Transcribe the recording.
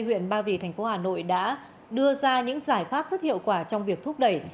huyện ba vì tp hà nội đã đưa ra những giải pháp rất hiệu quả trong việc thúc đẩy